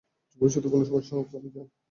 ভবিষ্যতে কোনও সমস্যা হোক, আমি চাই না।